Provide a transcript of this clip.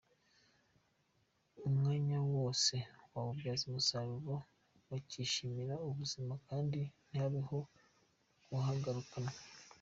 Umwanya wose bawubyaza umusaruro bakishimira ubuzima kandi ntihabeho guhararukanwa.